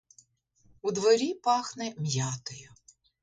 У дворі пахне м'ятою.